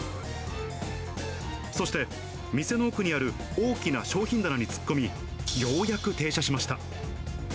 そして、店の奥にある大きな商品棚に突っ込み、ようやく停車しました。